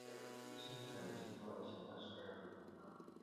现在已经和以前的时代不同了